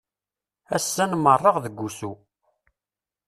Ass-a nmerreɣ deg usu.